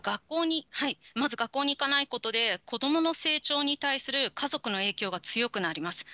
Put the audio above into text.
まず学校に行かないことで、子どもの成長に対する家族の影響が強くなります。